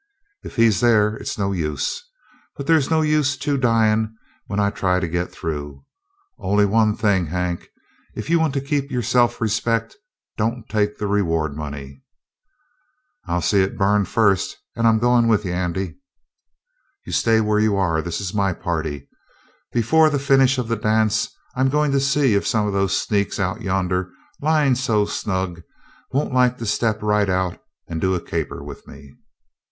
"If he's there, it's no use. But there's no use two dyin' when I try to get through. Only one thing, Hank; if you want to keep your self respect don't take the reward money." "I'll see it burn first, and I'm goin' with you, Andy!" "You stay where you are; this is my party. Before the finish of the dance I'm going to see if some of those sneaks out yonder, lyin' so snug, won't like to step right out and do a caper with me!"